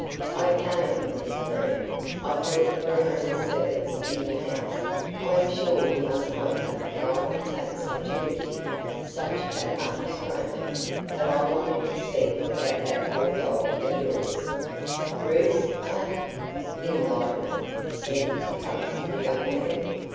"I came, Mr Breen I thought there were only servants in the house I am sure you must wonder how I can take such a liberty, such an utter stranger, but I wanted to speak about that poor dog of yours " "Bruce ah!" Enlightenment seemed to come to the young man.